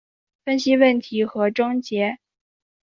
分析问题和症结